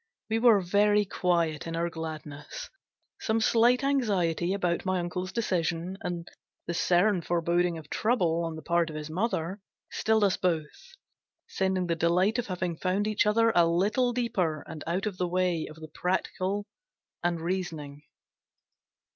We were very quiet in our gladness. Some slight anxiety about my uncle's decision, and the certain foreboding of trouble on the part of his mother, stilled us both, sending the delight of having found each other a little deeper and out of the way of the practical and reasoning.